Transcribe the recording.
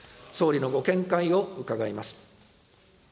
総理のご見解を伺います。